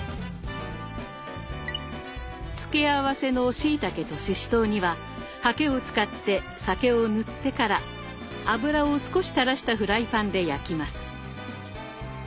付け合わせのしいたけとししとうにはハケを使って酒を塗ってから油を少したらしたフライパンで焼きます。